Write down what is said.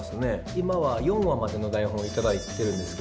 今は４話までの台本を頂いてるんですけど。